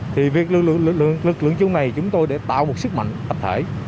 thì việc lực lượng chung này chúng tôi để tạo một sức mạnh tập thể